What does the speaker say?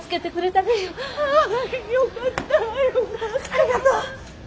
ありがとう。